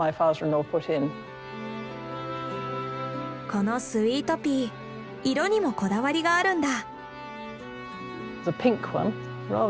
このスイートピー色にもこだわりがあるんだ。